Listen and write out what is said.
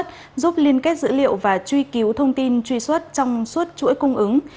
truy xuất giúp liên kết dữ liệu và truy cứu thông tin truy xuất trong suốt chuỗi cung ứng